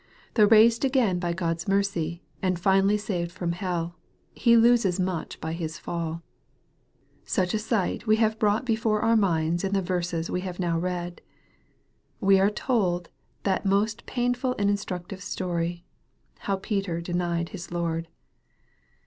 Though raised again by God's mercy, and finally saved from hell, he loses much by his fall. Such a sight we have brought before our minds in the verses we have now read. We are there told that most pain ful and instructive story, how Peter denied his Lord.